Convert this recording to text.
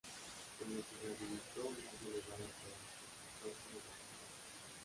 Cuando se rehabilitó nadie le daba trabajo, a causa de su pasado.